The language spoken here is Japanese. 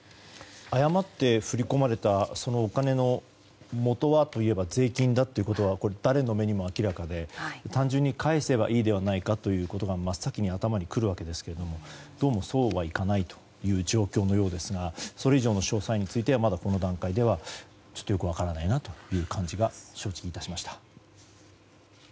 誤って振り込まれたお金のもとはといえば税金だということは誰の目にも明らかで単純に返せばいいではないかということが真っ先に頭にくるわけですけどどうもそうはいかないという状況のようですがそれ以上の詳細についてはまだこの段階ではちょっとよく分からないという感じが致しました。